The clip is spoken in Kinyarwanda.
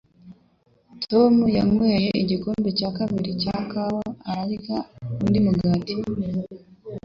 Tom yanyweye igikombe cya kabiri cya kawa ararya undi muti